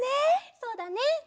そうだね。